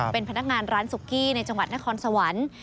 เป็นพนักงานร้านสุกี้ในจังหวัดนครสวรรค์